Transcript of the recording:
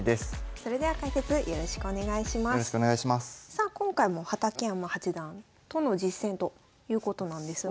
さあ今回も畠山八段との実戦ということなんですが。